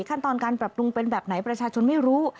ขั้นตอนการปรับปรุงเป็นแบบไหนประชาชนไม่รู้